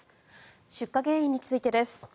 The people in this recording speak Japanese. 出火原因についてです。